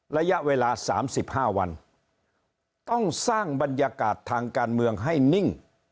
ระยะเวลา๓๕วันต้องสร้างบรรยากาศทางการเมืองให้นิ่ง